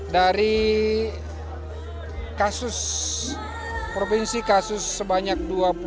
dari kasus provinsi kasus sebanyak dua puluh